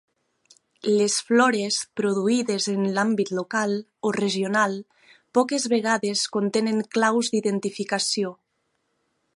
Les flores produïdes en l'àmbit local o regional poques vegades contenen claus d'identificació.